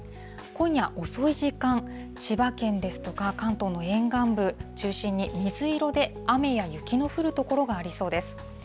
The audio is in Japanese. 今夜遅い時間、千葉県ですとか、関東の沿岸部中心に水色で、雨や雪の降る所がありそうです。